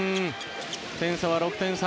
点差は６点差。